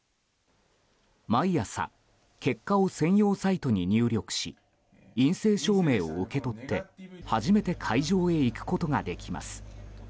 毎朝結果を専用サイトに入力し陰性証明を受け取って、初めて会場へ行くことができます。